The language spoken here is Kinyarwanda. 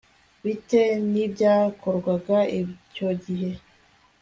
bite n ibyakorwaga icyo gihe